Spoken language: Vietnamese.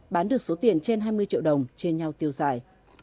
bán được số tiền trên hai mươi triệu đồng chia nhau tiêu xài